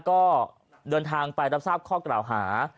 ก็เดินทางไปรับทราบข้อกล่าวหา